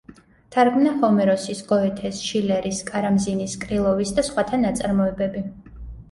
თარგმნა ჰომეროსის, გოეთეს, შილერის, კარამზინის, კრილოვის და სხვათა ნაწარმოებები.